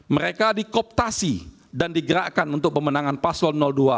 mereka dikooptasi dan digerakkan untuk pemenangan paslon dua